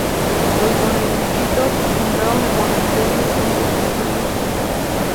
Los Benedictinos fundaron un monasterio en Dunfermline.